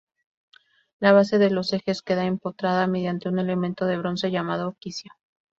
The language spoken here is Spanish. La base de los ejes queda empotrada mediante un elemento de bronce llamado Quicio.